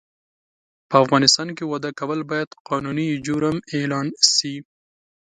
په افغانستان کې واده کول باید قانوني جرم اعلان سي